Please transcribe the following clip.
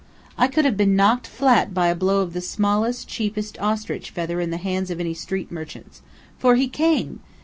I could have been knocked flat by a blow of the smallest, cheapest ostrich feather in the hands of any street merchant. For he came.